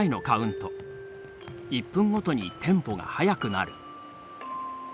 １分ごとにテンポが速くなる。